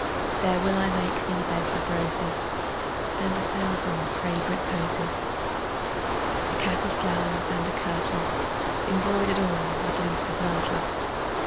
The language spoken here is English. There will I make thee beds of rosesAnd a thousand fragrant posies,A cap of flowers, and a kirtleEmbroider'd all with leaves of myrtle.